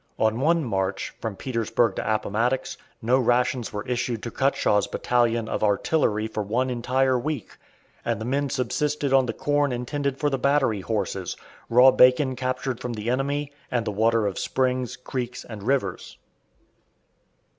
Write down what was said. On one march, from Petersburg to Appomattox, no rations were issued to Cutshaw's battalion of artillery for one entire week, and the men subsisted on the corn intended for the battery horses, raw bacon captured from the enemy, and the water of springs, creeks, and rivers.